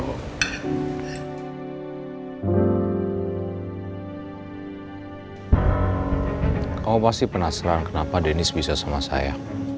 kamu pasti penasaran kenapa dennis bisa sama saya